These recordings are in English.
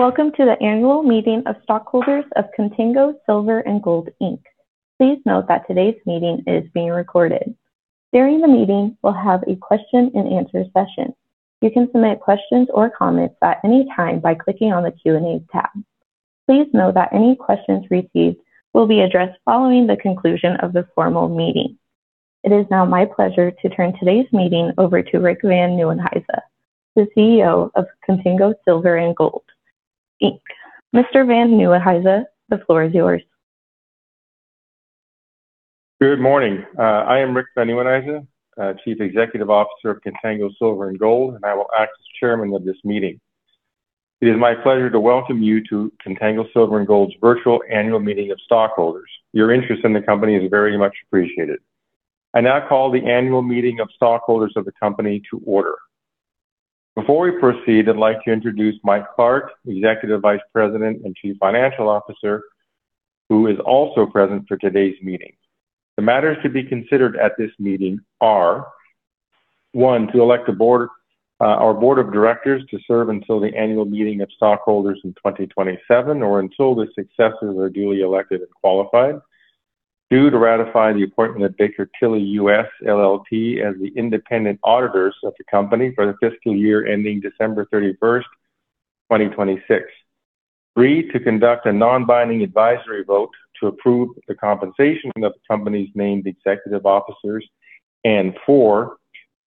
Hello, welcome to the Annual Meeting of Stockholders of Contango Silver & Gold Inc. Please note that today's meeting is being recorded. During the meeting, we'll have a question-and-answer session. You can submit questions or comments at any time by clicking on the Q&A tab. Please note that any questions received will be addressed following the conclusion of the formal meeting. It is now my pleasure to turn today's meeting over to Rick Van Nieuwenhuyse, the CEO of Contango Silver & Gold Inc. Mr. Van Nieuwenhuyse, the floor is yours. Good morning. I am Rick Van Nieuwenhuyse, Chief Executive Officer of Contango Silver & Gold, I will act as chairman of this meeting. It is my pleasure to welcome you to Contango Silver & Gold's Virtual Annual Meeting of Stockholders. Your interest in the company is very much appreciated. I now call the Annual Meeting of Stockholders of the company to order. Before we proceed, I'd like to introduce Mike Clark, Executive Vice President and Chief Financial Officer, who is also present for today's meeting. The matters to be considered at this meeting are, one, to elect our Board of Directors to serve until the Annual Meeting of Stockholders in 2027 or until the successors are duly elected and qualified. Two, to ratify the appointment of Baker Tilly US, LLP as the independent auditors of the company for the fiscal year ending December 31st, 2026. Three, to conduct a non-binding advisory vote to approve the compensation of the company's named executive officers. Four,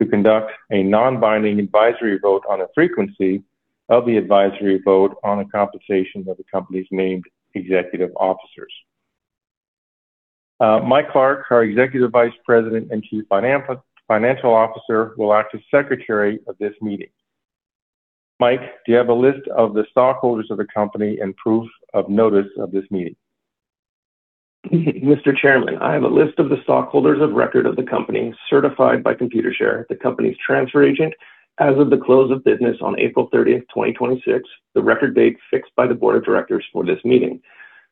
to conduct a non-binding advisory vote on the frequency of the advisory vote on the compensation of the company's named executive officers. Mike Clark, our Executive Vice President and Chief Financial Officer, will act as Secretary of this meeting. Mike, do you have a list of the stockholders of the company and proof of notice of this meeting? Mr. Chairman, I have a list of the stockholders of record of the company certified by Computershare, the company's transfer agent, as of the close of business on April 30th, 2026, the record date fixed by the board of directors for this meeting.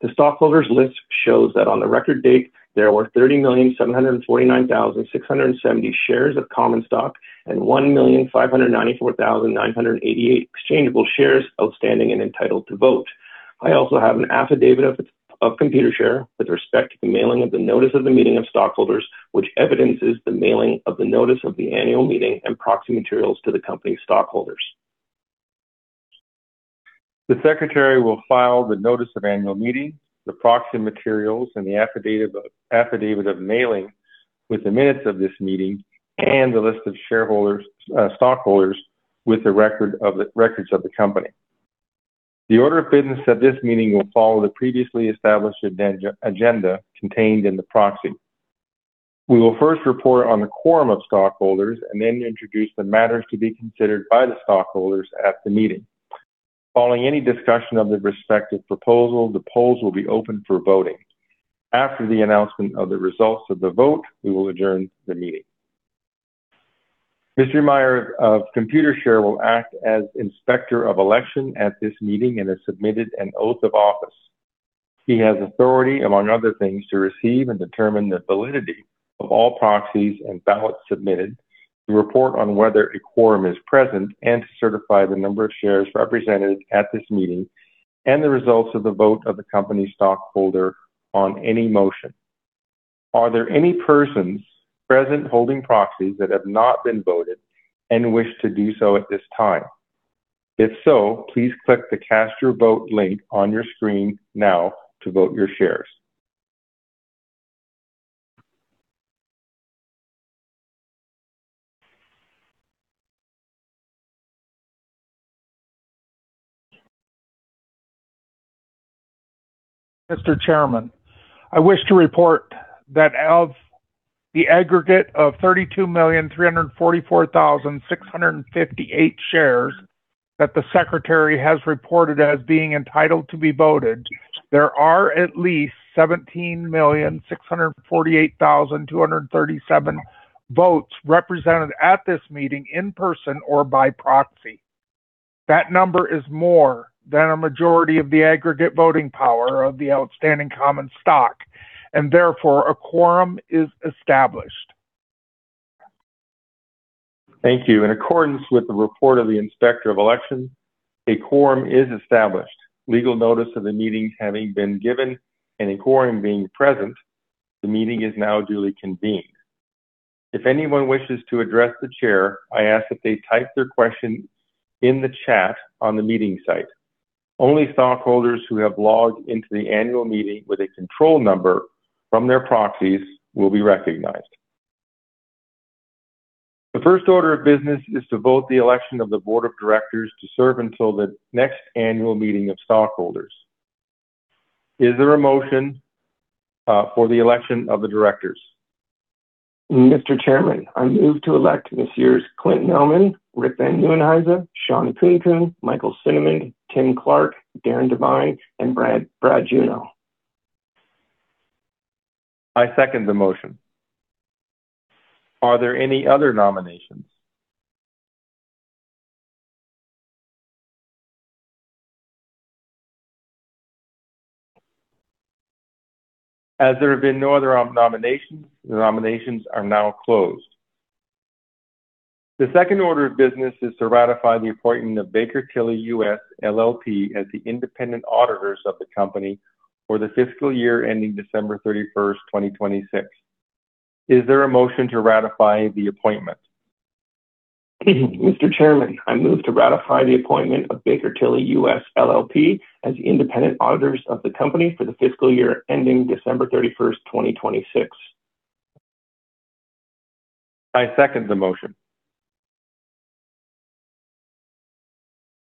The stockholders' list shows that on the record date, there were 30,749,670 shares of common stock and 1,594,988 exchangeable shares outstanding and entitled to vote. I also have an affidavit of Computershare with respect to the mailing of the notice of the meeting of stockholders, which evidences the mailing of the notice of the Annual Meeting and proxy materials to the company's stockholders. The Secretary will file the notice of Annual Meeting, the proxy materials, and the affidavit of mailing with the minutes of this meeting and the list of stockholders with the records of the company. The order of business at this meeting will follow the previously established agenda contained in the proxy. We will first report on the quorum of stockholders and then introduce the matters to be considered by the stockholders at the meeting. Following any discussion of the respective proposal, the polls will be open for voting. After the announcement of the results of the vote, we will adjourn the meeting. Mr. Meyer of Computershare will act as Inspector of Election at this meeting and has submitted an Oath of Office. He has authority, among other things, to receive and determine the validity of all proxies and ballots submitted, to report on whether a quorum is present, and to certify the number of shares represented at this meeting and the results of the vote of the company stockholder on any motion. Are there any persons present holding proxies that have not been voted and wish to do so at this time? If so, please click the Cast Your Vote link on your screen now to vote your shares. Mr. Chairman, I wish to report that of the aggregate of 32,344,658 shares that the Secretary has reported as being entitled to be voted, there are at least 17,648,237 votes represented at this meeting in person or by proxy. That number is more than a majority of the aggregate voting power of the outstanding common stock, and therefore a quorum is established. Thank you. In accordance with the report of the Inspector of Election, a quorum is established. Legal notice of the meetings having been given and a quorum being present, the meeting is now duly convened. If anyone wishes to address the Chair, I ask that they type their question in the chat on the meeting site. Only stockholders who have logged into the Annual meeting with a control number from their proxies will be recognized. The first order of business is to vote the election of the Board of Directors to serve until the next Annual Meeting of Stockholders. Is there a motion for the election of the directors? Mr. Chairman, I move to elect this year's Clynton Nauman, Rick Van Nieuwenhuyse, Shawn Khunkhun, Michael Cinnamond, Tim Clark, Darren Devine, and Brad Juneau. I second the motion. Are there any other nominations? There have been no other nominations, the nominations are now closed. The second order of business is to ratify the appointment of Baker Tilly US, LLP as the independent auditors of the company for the fiscal year ending December 31st, 2026. Is there a motion to ratify the appointment? Mr. Chairman, I move to ratify the appointment of Baker Tilly US, LLP as the independent auditors of the company for the fiscal year ending December 31st 2026. I second the motion.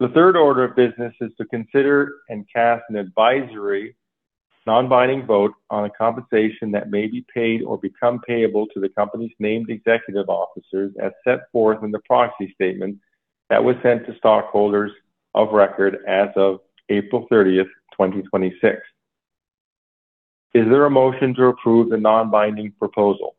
The third order of business is to consider and cast an advisory, non-binding vote on a compensation that may be paid or become payable to the company's named executive officers as set forth in the proxy statement that was sent to stockholders of record as of April 30th, 2026. Is there a motion to approve the non-binding proposal?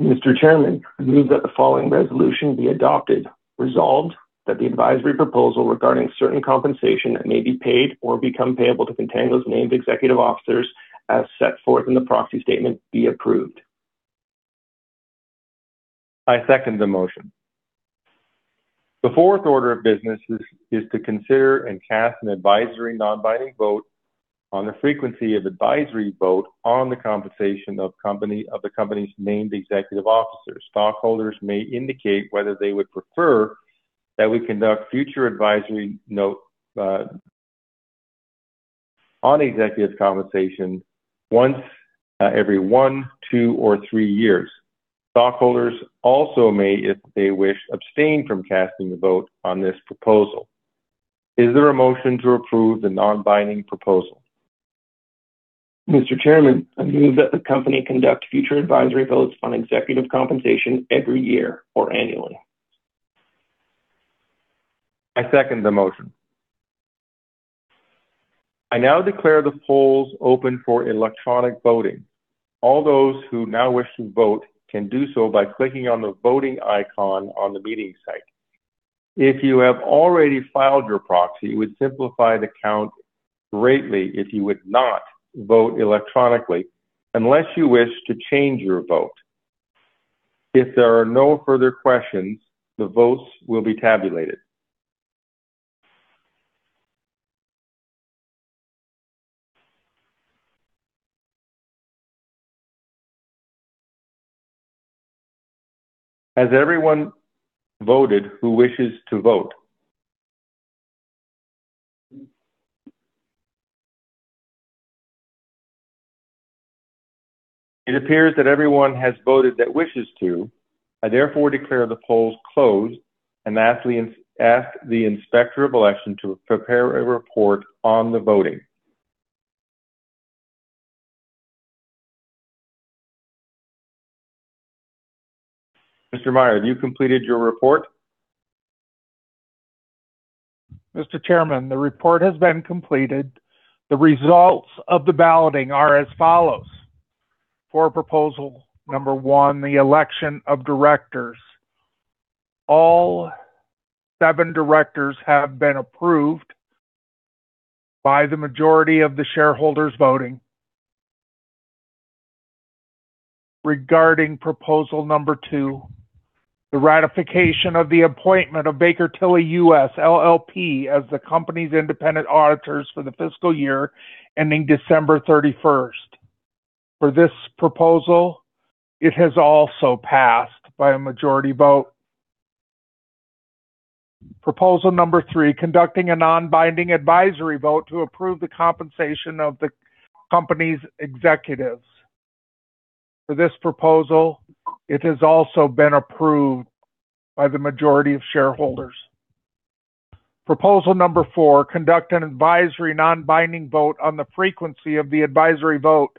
Mr. Chairman, I move that the following resolution be adopted. Resolved that the advisory proposal regarding certain compensation that may be paid or become payable to Contango's named executive officers as set forth in the proxy statement be approved. I second the motion. The fourth order of business is to consider and cast an advisory, non-binding vote on the frequency of advisory vote on the compensation of the company's named executive officers. Stockholders may indicate whether they would prefer that we conduct future advisory vote on executive compensation once every one, two, or three years. Stockholders also may, if they wish, abstain from casting a vote on this proposal. Is there a motion to approve the non-binding proposal? Mr. Chairman, I move that the company conduct future advisory votes on executive compensation every year or annually. I second the motion. I now declare the polls open for electronic voting. All those who now wish to vote can do so by clicking on the voting icon on the meeting site. If you have already filed your proxy, it would simplify the count greatly if you would not vote electronically unless you wish to change your vote. If there are no further questions, the votes will be tabulated. Has everyone voted who wishes to vote? It appears that everyone has voted that wishes to. I therefore declare the polls closed and ask the Inspector of Election to prepare a report on the voting. Mr. Meyer, have you completed your report? Mr. Chairman, the report has been completed. The results of the balloting are as follows. For Proposal 1, the Election of Directors. All seven directors have been approved by the majority of the shareholders voting. Regarding Proposal 2, the ratification of the appointment of Baker Tilly US, LLP as the company's independent auditors for the fiscal year ending December 31st 2026. For this proposal, it has also passed by a majority vote. Proposal 3, conducting a non-binding advisory vote to approve the compensation of the company's executives. For this proposal, it has also been approved by the majority of shareholders. Proposal 4, conduct an advisory, non-binding vote on the frequency of the advisory vote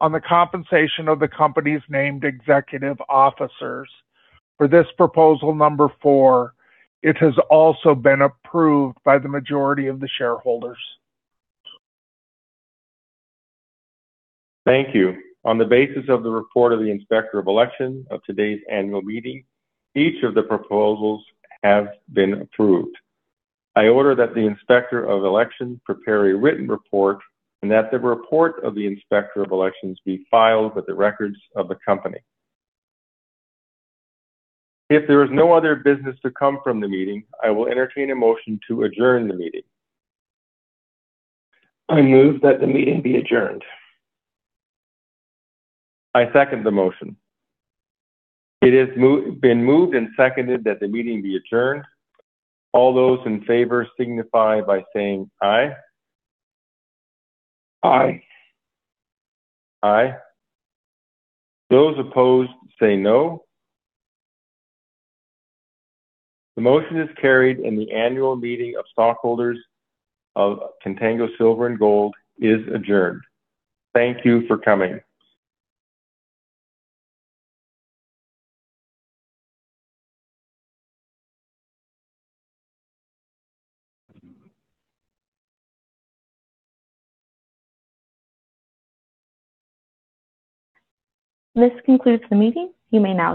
on the compensation of the company's named executive officers. For this Proposal 4, it has also been approved by the majority of the shareholders. Thank you. On the basis of the report of the Inspector of Election of today's Annual Meeting, each of the proposals have been approved. I order that the Inspector of Election prepare a written report and that the report of the Inspector of Election be filed with the records of the company. If there is no other business to come from the meeting, I will entertain a motion to adjourn the meeting. I move that the meeting be adjourned. I second the motion. It has been moved and seconded that the meeting be adjourned. All those in favor signify by saying aye. Aye. Aye. Those opposed say no. The motion is carried and the Annual Meeting of Stockholders of Contango Silver & Gold is adjourned. Thank you for coming. This concludes the meeting. You may now disconnect.